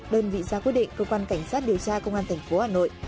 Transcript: đơn vị ra quyết định cơ quan cảnh sát điều tra công an tp hà nội